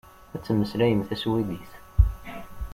Ad temmeslayem taswidit.